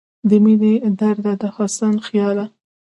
د مينې درده، د حسن خياله